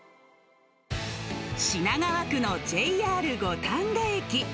品川区のＪＲ五反田駅。